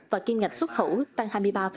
và kiên ngạch xuất khẩu tăng hai mươi ba ba